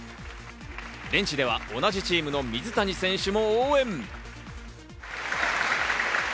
ベンチでは同じチームの水谷選手も応援。